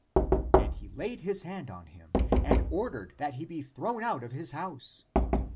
And he laid his hand ACTS OF PETER 8l on him, and ordered that he be thrown out of his house.